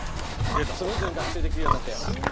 スムーズに学習できるようになったよ。